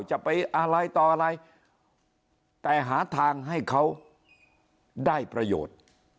จะไปอะไรต่ออะไรแต่หาทางให้เขาได้ประโยชน์